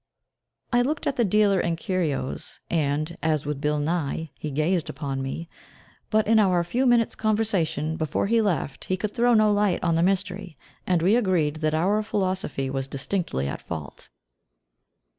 I looked at the dealer in curios, and, as with Bill Nye, "he gazed upon me," but in our few minutes' conversation, before he left, he could throw no light on the mystery, and we agreed that our philosophy was distinctly at fault.